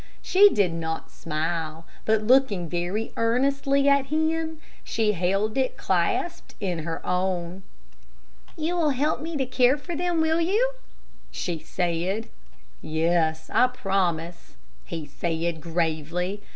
She did not smile, but looking very earnestly at him, she held it clasped in her own. "You will help me to care for them, will you?" she said. "Yes, I promise," he said, gravely.